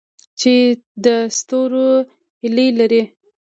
چې د ستورو هیلې لري؟